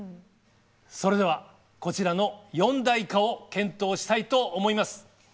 それではこちらの四大化を検討したいと思います。